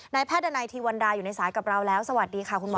แพทย์ดันัยทีวันดาอยู่ในสายกับเราแล้วสวัสดีค่ะคุณหมอ